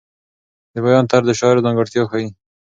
د بیان طرز د شاعر ځانګړتیا ښیي.